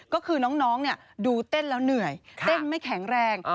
ก็คือน้องดูเต้นแล้วเหนื่อยเต้นไม่แข็งแรง